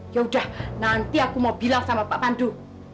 ya udah nanti aku mau bilang sama pak pandu